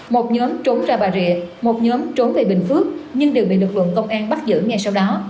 một nhóm trốn ra bà rịa một nhóm trốn về bình phước nhưng đều bị lực lượng công an bắt giữ ngay sau đó